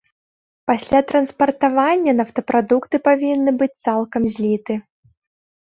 Пасля транспартавання нафтапрадукты павінны быць цалкам зліты.